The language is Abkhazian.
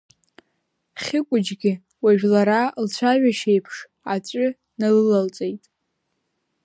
Хьыкәыҷгьы уажә лара лцәажәашьеиԥш аҵәы налылалҵеит.